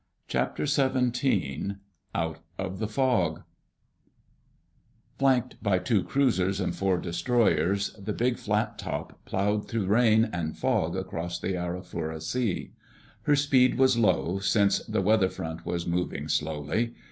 CHAPTER SEVENTEEN OUT OF THE FOG Flanked by two cruisers and four destroyers, the big flat top plowed through rain and fog across the Arafura Sea. Her speed was low, since the weather front was moving slowly.